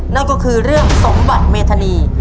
นั่นก็คือเรื่องสมบัติเมธานี